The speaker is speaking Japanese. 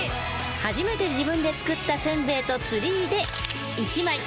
初めて自分で作った煎餅とツリーで一枚。